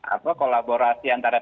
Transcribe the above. apa kolaborasi antara